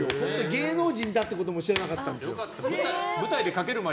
芸能人だってことも知らなかったんです。